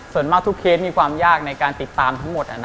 ส่วนมากทุกเคสมีความยากในการติดตามทั้งหมด